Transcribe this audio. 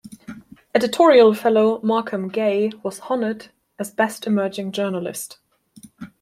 Editorial Fellow Malcolm Gay was honored as Best Emerging Journalist.